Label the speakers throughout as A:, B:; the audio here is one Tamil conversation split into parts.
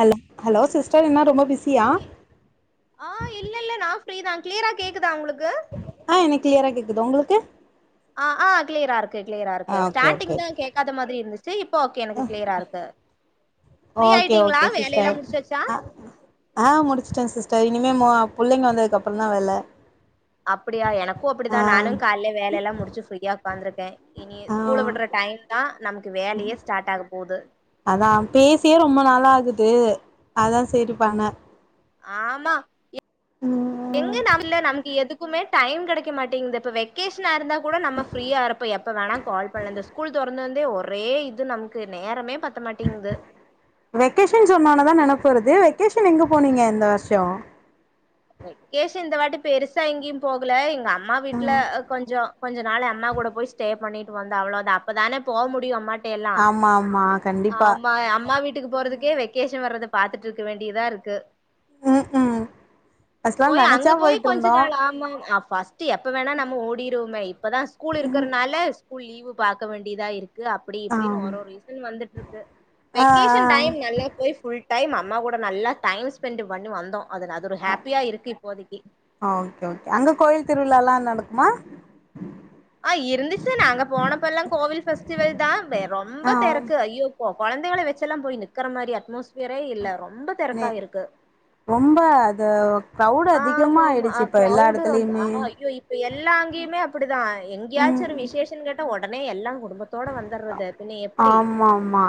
A: ஹல் ஹலோ சிஸ்டர் என்ன ரொம்ப பிஸியா
B: ஆ இல்ல இல்ல நா ஃப்ரீதா க்ளியரா கேக்குதா உங்களுக்
A: ஆ என்க் க்ளியரா கேக்குது உங்களுக்கு
B: அ ஆ கிளியரா இருக்கு கிளியரா
A: ஆ
B: இருக்கு
A: ஓகே ஓகே
B: ஸ்டார்டிங் தா கேக்காத மாதிரி இருந்துச் சரி இப்போ ஓகே எனக்கு கிளியரா இருக்கு ஃப்ரீ
A: ஓகே
B: ஆயிட்டீங்களா
A: ஓகே
B: வேலையெல்லா
A: சிஸ்டர்
B: முடிச்சாச்சா
A: அ ஆ முடிச்சிட்டே சிஸ்டர் இனி இனிமே மொ புள்ளைங்கோ வந்ததுக்கு அப்புறந்தா வேல
B: அப்புடியா எனக்கு
A: ஆ
B: அப்டிதா நானு காலைல வேலையெல்லா முடிச்சு ஃப்ரீயா உக்காந்துருக்கே இனி
A: ஆ
B: ஸ்கூல விட்ற டைம் தா நமக்கு வேலையே ஸ்டார்ட் ஆக போது
A: அதா பேசியே ரொம்ப நாளா ஆகுது அதா சரி பண்னே
B: ஆமா எங்க
A: ம்
B: நமல நமக்கு எதுக் க்குமே டைம் கெடைக்க மாட்டேங்குது இப்ப வெக்கேஷனா இருந்தாக் கூட நம்ம ஃபிரீயா இருப்போ எப்ப வேனா கால் பண்லா இந்த ஸ்கூல் தொ தொறந்துருந்தே ஒரே இது நமக்கு நேரமே பத்த மாட்டேங்கிது
A: வெகேஷன் சொன்ன ஒன்னேதா நெனப்பு வருது வெக்கேஷன் எங்க போனீங்க இந்த வருஷ
B: வெக்கேஷன் இந்த வாட்டி பெருசா எங்கேயு போகல எங்க அம்மா வீட்ல கொஞ்ச கொஞ்ச நாளு அம்மாக் கூட போய் ஸ்டே பண்ணிட்டு வந்தே அவ்ளோதா அப்ப தானே போ முடியு அம்மாட் ட்ட எல்லா
A: ஆமா ஆமா கண்டிப்பா
B: ஆமா அம்மா வீட்டுக்கு போறதுக்கே வெக்கேஷன் வர்றது பாத்துட்ருக்க வேண்டியதா இருக்கு
A: ம் ம் அஸ்லா
B: போய் அங்க போயு கொஞ்ச நாள்லா ஆமா ஃபஸ்ட்டு எப்ப வேணா நம்ம ஓடிருவோமே இப்பதா ஸ்கூல் இருக்கறனால ஸ்கூல் லீவ் பாக்க வேண்டியதா இருக் கு அப்படி
A: ஆ
B: இப்படின்னு ஒரு ஒரு ரீசன் வந்துட்டுருக்கு
A: ஆ
B: வெக்கேஷன்
A: ஆ
B: டைம் நல்லா போய் ஃபுல் டைம் அம்மா கூட நல்ல டைம் ஸ்பெண்ட்டு பண்ணி வந்தோ அது அது ஒரு
A: ஆ
B: ஹேப்
A: ஓகே ஓகே அங்க கோயில் திருவிலால்லா நடக்குமா
B: ஆ இருந்துச்சு நாங்க போனப்பெல்லா கோவில் ஃபெஸ்டிவல் தா வே
A: ஆ
B: ரொம்ப தெறக்கு ஐயோப் போ கொழந்தேகள வச்செல்லா போய் நிக்குற மாரி அட் மோஸ்ட் ஃப்ரே இல்ல ரொம்ப
A: நே
B: தெறக்கா இருக்கு
A: ரொம்ப அது க்ரௌட்
B: ஆ
A: அதிகமா
B: ஆமா ஆமா அ
A: ஆயிடுச்சு இப்ப எல்லா
B: கிரௌடு ரொம்ப அ
A: எடத்துலயுமே
B: ஐயோ இப்ப எ எல்லா அங்கேயுமே அப்படிதா எங்கயாச்சு ஒரு
A: ம்
B: விசேஷன்னு கேட்டா ஒடனே எல்லா குடும்பத்தோட வந்துர்றது பின்ன எப்டி
A: ஆமா மா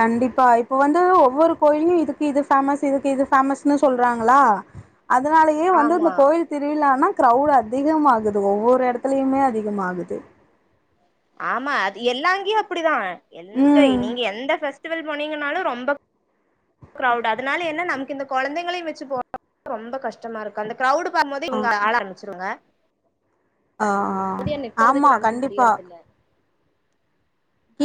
A: கண்டிப்பா இப்ப வந்து ஒவ்வொரு கோயிலயு இதுக்கு இது ஃபேமஸ் இதுக்கு இது ஃபேமஸ்ன்னு சொல்றாங்களா அதனாலயே வந்து இந்த
B: ஆமா
A: கோவில் திருவிளான்னா க்ரௌட்டு அதிகம் ஆகுது ஒவ்வொரு எடத்துலயுமே அதிகமாகுது
B: ஆமா அது எல்லாங்கியு அப்படிதா எங்க
A: ம்
B: நீங்க எந்த ஃபெஸ் பெஸ்டிவல் போனீங்கனாலு ரொம்ப க்ரௌவுட் அதனால என்ன நமக்கு இந்த கொழந்தெங்களையு வெச்சு போறது ரொம்ப கஷ்டமா இருக் அந்த க்ரௌவுடு பாம்போதே இவங்க
A: ஓகே
B: ஆள ஆரம்பிச்சுருவாங்க
A: ஆ அ ஆமா
B: நிக்கறதுக்கு நமக்கு
A: கண்டிப்பா
B: முடியறதில்ல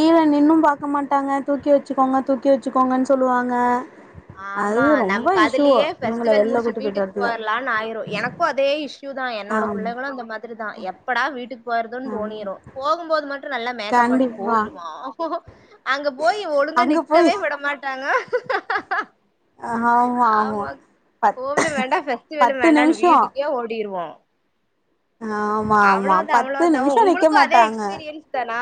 A: டத்துல நின்னு பாக்க மாட்டாங்க தூக்கி வச்சுக்கோங்க தூக்கி வச்சுக்கோங்கன்னு சொல்லுவாங்க
B: ஆமா
A: அது ரொம்ப
B: நமக்கு
A: இஷ்யூ
B: அதுலயே
A: இவங்கள
B: பெஃஸ்டிவல்
A: வெளில
B: முடிச்சு
A: கூட்டு போயிட்டு
B: வீட்டுக்கு
A: வரதுல
B: போயிர்லான்னு ஆயிரு எனக்கும அதே இஷ் சுயுதா என்னோட
A: ஆமா
B: புள்ளைகளு இந்த மாதிரி தா எப்படா வீட்டுக்கு போய்றதுன்னு
A: ஆமா
B: தோணிரு போகுபோது மட்டு நல்லா மேக்கப் பண்ணிப்
A: கண்டிப்பா
B: போயிருவா அங்க போயி ஒளுங்கா
A: அங்க போய்
B: நிக்கவே விட மாட்டாங்க ஆமா
A: பத்
B: கோவிலு வேண்டா பெஸ்டிவலு
A: பத்து
B: வேண்டான்
A: நிமிஷோ
B: வீட்டுக்கே ஓடிருவோ
A: ஆமா ஆமா
B: அவ்ளோதா
A: பத்து
B: அவ்ளோதா
A: நிமிஷ நிக்க
B: உங்களுக்கு அதே
A: மாட்டாங்க
B: எக்ஸ்பீரியன்ஸ் தானா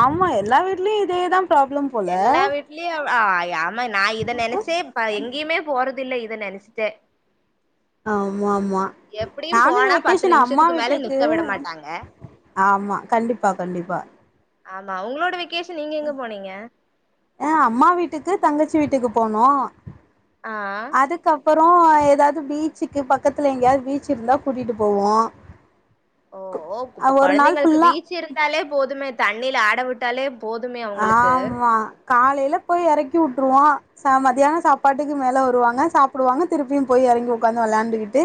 A: ஆமா எல்லா வீட்லயு இதேதா ப்ராப்ளம் போல
B: எல்லா வீட்லயு ஆ யாமா நா இத நெனச்சே ப எங்கேயுமே போறதில்ல இத நெனைச்சுட்டே
A: ஆமா ஆமா நானு இந்த
B: போனா பத்து
A: வெக்கேஷன் அம்மா
B: நிமிஷத்துக்கு மேல
A: வீட்டுக்கு
B: நிக்க விட மாட்டாங்க
A: ஆமா கண்டிப்பா கண்டிப்பா
B: ஆமா உங்களோட வெக்கேஷன் நீங்க எங்க போனீங்க
A: குச்சி வீட்டுக்கு போனோ
B: ஆ
A: அப்புறோ ஏதாவது பீச்சுக்கு பக்கத்துல எங்கேயாவது பீச் இருந்தா கூட்டிட்டு போவோ
B: ஓ ஓப்
A: ஒரு நாள்
B: கொழந்தைங்களுக்
A: ஃபுல்லா
B: பீச் இருந்தாலே போதுமே தண்ணீல ஆட விட்டாலே போதுமே அவங்களுக்கு.
A: ஆமா காலைல போய் இறக்கி விட்டுருவோ ச மத்தியான சாப்பாட்டுக்கு மேல வருவாங்க சாப்பிடுவாங்க திருப்பியு போய் இறங்கி உட்காந்து விளையாண்டுக்கிட்டு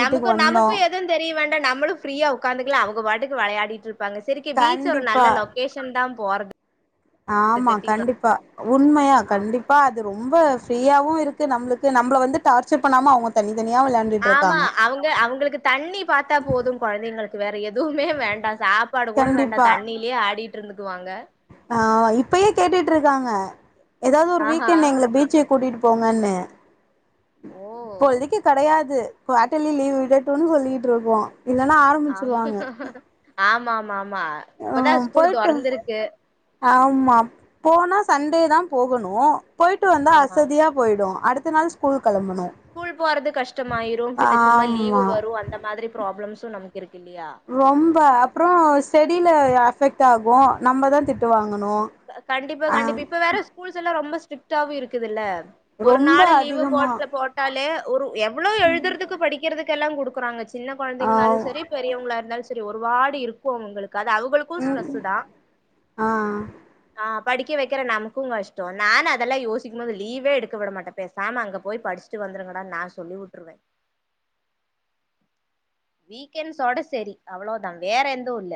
B: நமக்கு நமக்கு எதுவு தெரிய வேண்டா நம்மளு ஃப்ரீயா உட்காந்துக்கல அவங்க பாட்டுக்கு விளையாடி இருப்பாங்க சரிகி பீச் ஒரு நல்ல
A: கண்டிப்பா
B: லொகேஷன் தா போறது
A: ஆமா கண்டிப்பா உண்மையா
B: ஆமா.
A: கண்டிப்பா அது ரொம்ப ஃப்ரீயாவவு இருக்கு நம்மளுக்கு நம்மள வந்து டார்ச்சர் பண்ணாம அவங்க தனி
B: ஆமா அவங்க அவங்களுக்கு தண்ணி பாத்தா போது குழந்தைங்களுக்கு வேற எதுவுமே வேண்டா சாப்பாடு கூட வேண்டா தண்ணிலேயே ஆடிட்டு இருந்துக்குவாங்க
A: ஆமா இப்பயே கேட்டுட்டு இருக்காங்க ஏதாவது ஒரு
B: ஆஹா
A: வீக்கெண்ட் எங்கள பீச்சு கூட்டிகிட்டு போங்கன்னு
B: ஓ
A: இப்போதைக் கிடையாது குவாட்டலி லீவ் விடட்டும்ன்னு சொல்லிட்டு இருக்கோ இல்லன்னா
B: ஆ
A: ஆரம்பிச்சிருவாங்க
B: ஆமாமாமா
A: ஆ
B: இப்பதான் ஸ்கூல்
A: போய்ட்டு
B: தொறந்திருக்கு
A: ஆமா போனா சண் டே தா போகணு போயிட்டு வந்த
B: ஆமா.
A: அசதியா போயிடு அடுத்த நாள் ஸ்கூல் கெளம்பணு
B: ஸ்கூல் போறது கஷ்டமாயிரு பின்ன சும்மா லீவ்
A: ஆமா
B: வரும் அந்த மாதிரி ப்ராப்ளம்ஸு ம் நமக்
A: ரொம்ப அப்புறோ ஸ்டடியில அஃபெக்ட் ஆகும் நம்மதா திட்டுவாங்
B: கண்டிப்பா கண்டிப்பா இப்ப வேற ஸ்கூல்ஸ் எல்லா ரொம்ப ஸ்ட்ரிக்ட்டாவு இருக்குது இல்ல ஒரு
A: ரொம்ப
B: நாளு லீவு
A: அதிகமா
B: போட்ட போட்டாலே ஒரு எவ்ளோ எழுதறதுக்கு படிக்கறது கெல்லா குடுக்குறாங்க சின்ன
A: ஆ
B: கொழந்தைங்கனாலு செரி பெரியவங்ளா இருந்தாலு செரி ஒரு வாடி இருக்கு அவுங்களுக் க்கு அது அவுங்களுக்கு
A: ம்
B: ஸ்ட்ரெஸ்ஸு தா
A: ஆ
B: ஆ படிக்க வெக்கிற நமக்குங் கஷ்டோ நானு அதெல்லா யோசிக்கும் போது லீவே எடுக்க விட மாட்டே பேசாம அங்க போய் படி ச்சிட்டு வந்துருங்கடான் நா சொல்லி உட்ருவே
A: [inaudible]
B: வீக்கெண்ஸோட சேரி அவ்ளோதா வேற எந்து இல்ல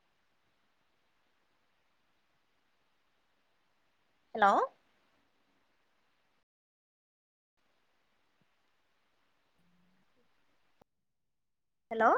A: ம்
B: ஹலோ ஹலோ